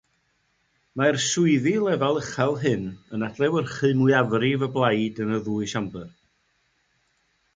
Mae'r swyddi lefel uchel hyn yn adlewyrchu mwyafrif y blaid yn y ddwy siambr.